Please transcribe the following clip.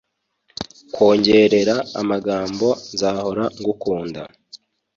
kwongorera amagambo nzahora ngukunda